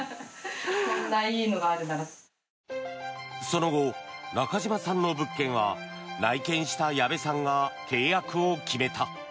その後、中島さんの物件は内見した矢部さんが契約を決めた。